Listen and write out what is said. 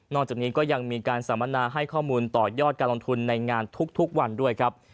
จากนี้ก็ยังมีการสัมมนาให้ข้อมูลต่อยอดการลงทุนในงานทุกวันด้วยครับ